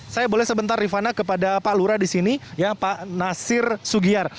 saya boleh sebentar rifana kepada pak lura di sini ya pak nasir sugiar